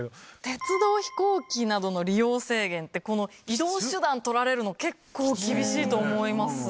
鉄道飛行機などの利用制限ってこの移動手段取られるの結構厳しいと思います。